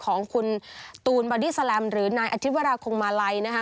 ของคุณตูนบอดี้แลมหรือนายอธิวราคงมาลัยนะคะ